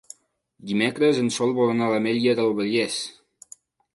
Dimecres en Sol vol anar a l'Ametlla del Vallès.